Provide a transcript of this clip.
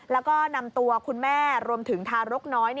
แล้วก็นำตัวคุณแม่รวมถึงทารกน้อย